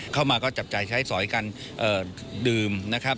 เข้ามาก็จับจ่ายใช้สอยกันดื่มนะครับ